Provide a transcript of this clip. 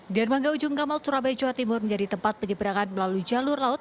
dermaga ujung kamal surabaya jawa timur menjadi tempat penyeberangan melalui jalur laut